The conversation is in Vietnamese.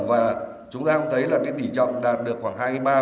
và chúng ta cũng thấy là cái tỷ trọng đạt được khoảng hai mươi ba